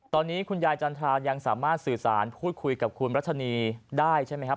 ตอนนี้คุณยายจันทรายังสามารถสื่อสารพูดคุยกับคุณรัชนีได้ใช่ไหมครับ